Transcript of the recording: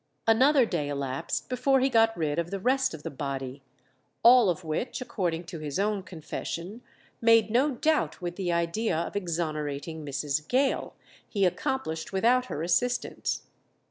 Another day elapsed before he got rid of the rest of the body, all of which, according to his own confession, made no doubt with the idea of exonerating Mrs. Gale, he accomplished without her assistance.